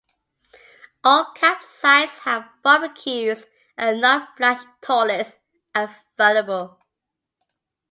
All campsites have barbecues and non-flush toilets available.